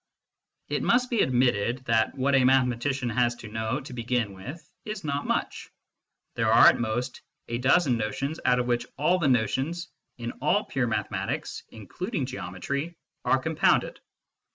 It must be admitted that what a mathe matician has to know to begin with is not much. There are at most a dozen notions out of which all the notions in all pure mathematics (including Geometry) are com pounded.